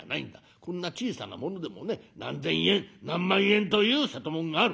こんな小さなものでもね何千円何万円という瀬戸物がある」。